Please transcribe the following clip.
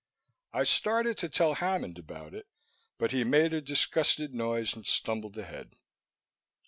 I started to tell Hammond about it, but he made a disgusted noise and stumbled ahead.